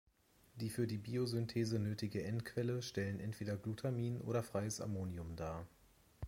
Die für die Biosynthese nötige N-Quelle stellen entweder Glutamin oder freies Ammonium dar.